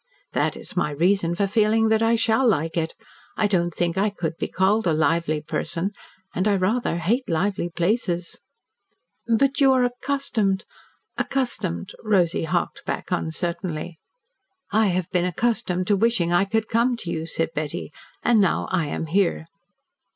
"That is my reason for feeling that I shall like it. I don't think I could be called a lively person, and I rather hate lively places." "But you are accustomed accustomed " Rosy harked back uncertainly. "I have been accustomed to wishing that I could come to you," said Betty. "And now I am here."